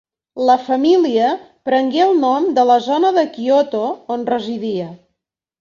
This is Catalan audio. La família prengué el nom de la zona de Kyoto on residia.